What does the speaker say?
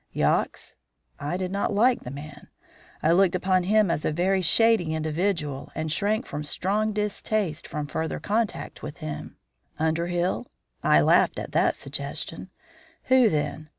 Yox? I did not like the man. I looked upon him as a very shady individual and shrank with strong distaste from further contact with him. Underhill? I laughed at the suggestion. Who, then?